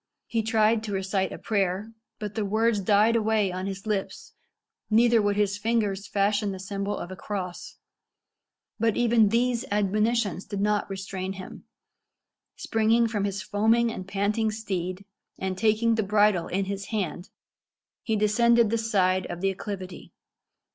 He tried to recite a prayer, but the words died away on his lips neither would his fingers fashion the symbol of a cross. But even these admonitions did not restrain him. Springing from his foaming and panting steed, and taking the bridle in his hand, he descended the side of the acclivity.